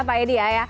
pak edi ya